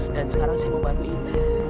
dan sekarang saya mau bantu ibu